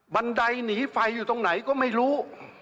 บันไดหนีไฟอยู่ตรงไหนก็ไม่รู้